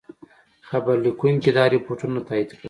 خبرلیکونکي دا رپوټونه تایید کړل.